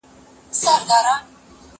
زه لیکل کړي دي!؟